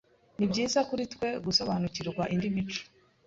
Nibyiza kuri twe gusobanukirwa indi mico.